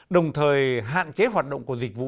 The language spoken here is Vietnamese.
đồng thời hạn chế hoạt động của dịch vụ